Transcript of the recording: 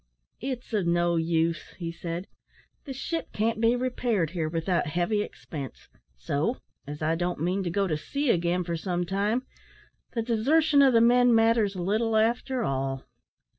"It's of no use," he said, "the ship can't be repaired here without heavy expense; so, as I don't mean to go to sea again for some time, the desertion of the men matters little after all."